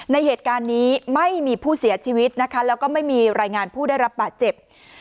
ในเหตุการณ์นี้ไม่มีผู้เสียชีวิตนะคะแล้วก็ไม่มีรายงานผู้ได้รับบาดเจ็บ